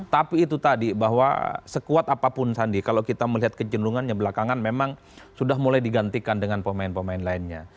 tapi itu tadi bahwa sekuat apapun sandi kalau kita melihat kecenderungannya belakangan memang sudah mulai digantikan dengan pemain pemain lainnya